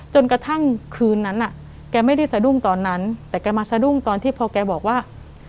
จนกระทั่งคืนนั้นแกไม่ได้สะดุ้งตอนนั้นแต่แกมาสะดุ้งตอนที่พอแกบอกว่า